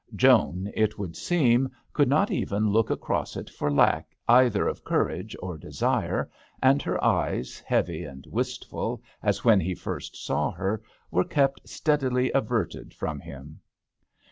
Joan, it would seem, could not even look across it forlack either of courage or desire, and her eyes, heavy and wistful as when he first saw her, were kept steadily averted from him.